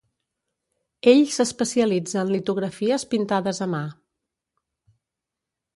Ell s'especialitza en litografies pintades a mà.